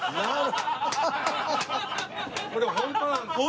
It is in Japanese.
これホントなんですよ。